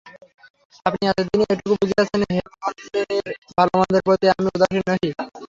আপনি এতদিনে এটুকু বুঝিয়াছেন, হেমনলিনীর ভালোমন্দের প্রতি আমি উদাসীন নহি।